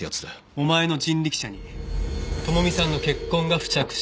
お前の人力車に智美さんの血痕が付着していた。